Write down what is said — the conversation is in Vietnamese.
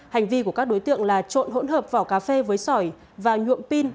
hành vi của các đối tượng là trộn hỗn hợp vỏ cà phê với sỏi và nhuộm pin